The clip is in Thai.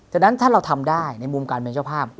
ฉะนั้นถ้าเราทำได้ในมุมการเป็นเจ้าภาพ